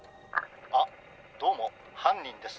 ☎あっどうもはんにんです。